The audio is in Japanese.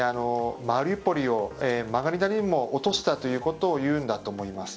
マリウポリを曲がりなりにも落としたということを言うんだと思います。